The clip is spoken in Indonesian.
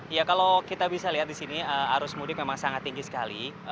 ya kalau kita bisa lihat di sini arus mudik memang sangat tinggi sekali